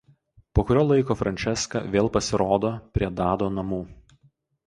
Po kurio laiko Frančeska vėl pasirodo prie Dado namų.